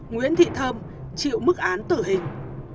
nguyễn thị thơm chịu mức án tử hình